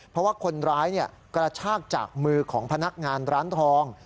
เพราะว่าคนร้ายกระชากจากมือของพนักงานร้านทอง